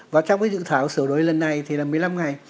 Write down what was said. và trong cái dự thảo sửa đổi lần này thì là một mươi năm ngày